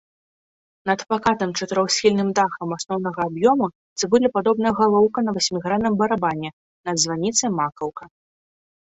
Над пакатым чатырохсхільным дахам асноўнага аб'ёму цыбулепадобная галоўка на васьмігранным барабане, над званіцай макаўка.